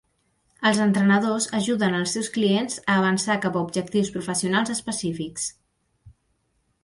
Els entrenadors ajuden els seus clients a avançar cap a objectius professionals específics.